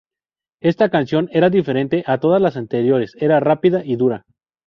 Esta canción era diferente a todas la anteriores, era rápida y dura.